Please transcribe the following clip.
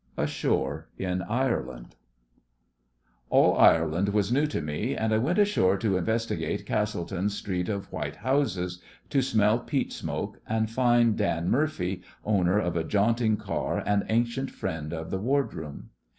ASHORE IN IRELAND All Ireland was new to me, and I went ashore to investigate Castletown's street of white houses, to smell peat smoke and find Dan Murphy, owner of a jaunting car and ancient friend of the ward room.